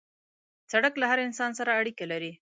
سړک له هر انسان سره اړیکه لري.